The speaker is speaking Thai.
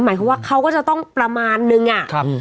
หมายความว่าเขาก็จะต้องประมาณนึงอะ